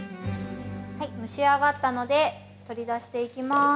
◆蒸し上がったので取り出していきます。